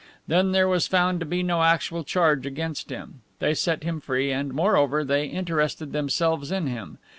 Then there was found to be no actual charge against him. They set him free and, moreover, they interested themselves in him.